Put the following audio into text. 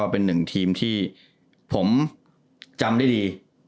เป็นหนึ่งทีมที่ผมจำได้ดี